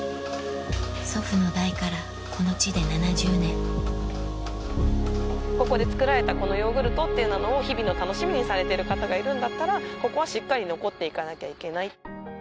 祖父の代からこの地で７０年ここで作られたこのヨーグルトっていうのを日々の楽しみにされてる方がいるんだったらここはしっかり残って行かなきゃいけない。